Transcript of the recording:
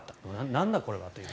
なんだこれはという。